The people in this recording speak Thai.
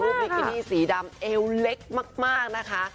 คือตรงรูปบิกกินี่สีดำเอวเล็กมากนะคะ